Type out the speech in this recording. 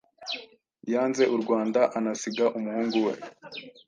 yanze u Rwanda, anasiga umuhungu we.